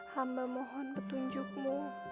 hamba mohon petunjukmu